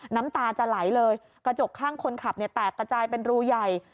น้ำตาจะไหลเลยกระจกข้างคนขับเนี่ยแตกกระจายเป็นรูใหญ่